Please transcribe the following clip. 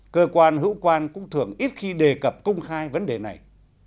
cơ quan hữu quan cũng thường ít khi đề cập công khai vấn đề này